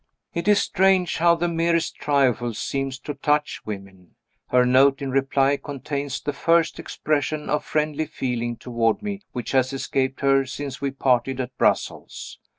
It is strange how the merest trifles seem to touch women! Her note in reply contains the first expression of friendly feeling toward me which has escaped her since we parted at Brussels.